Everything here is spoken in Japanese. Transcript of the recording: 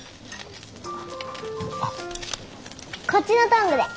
こっちのトングで。